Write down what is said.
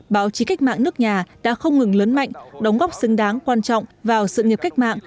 báo chí cách mạng nước nhà đã không ngừng lớn mạnh đóng góp xứng đáng quan trọng vào sự nghiệp cách mạng